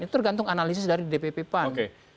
ini tergantung analisis dari dpp pan